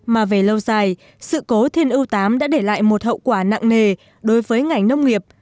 mà về lâu dài sự cố thiên ưu tám đã để lại một hậu quả nặng nề đối với ngành nông nghiệp